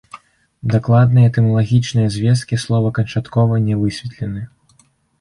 Дакладныя этымалагічныя звесткі слова канчаткова не высветлены.